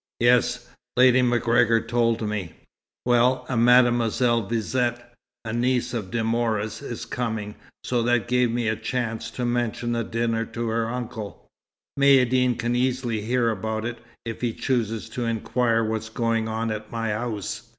"Yes. Lady MacGregor told me." "Well, a Mademoiselle Vizet, a niece of De Mora's, is coming, so that gave me a chance to mention the dinner to her uncle. Maïeddine can easily hear about it, if he chooses to inquire what's going on at my house.